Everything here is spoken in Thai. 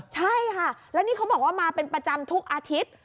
ใช่ค่ะแล้วนี่เขาบอกว่ามาเป็นประจำทุกอาทิตย์